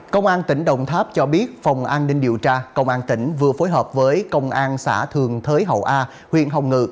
công an tỉnh đồng tháp cho biết phòng an ninh điều tra công an tỉnh vừa phối hợp với công an xã thường thới hậu a huyện hồng ngự